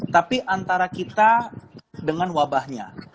tapi antara kita dengan wabahnya